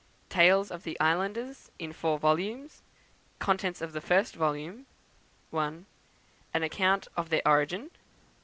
Tales of the Islanders, in four volumes. Contents of the 1st Vol.: l. An Account of their Origin; 2.